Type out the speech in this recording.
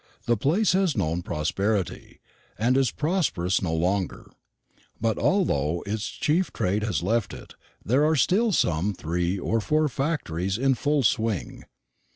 The place has known prosperity, and is prosperous no longer; but although its chief trade has left it, there are still some three or four factories in full swing.